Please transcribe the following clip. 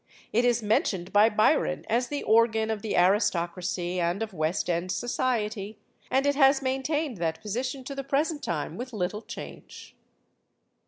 It is mentioned by Byron as the organ of the aristocracy and of West End society, and it has maintained that position to the present time with little change.